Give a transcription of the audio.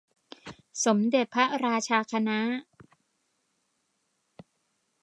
สมเด็จพระราชาคณะ